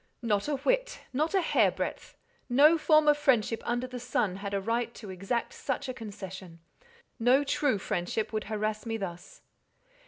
"Not a whit, not a hair breadth. No form of friendship under the sun had a right to exact such a concession. No true friendship would harass me thus."